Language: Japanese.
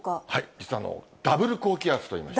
実はダブル高気圧といいまし